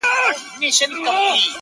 د څپو د زور یې نه ول مړوندونه!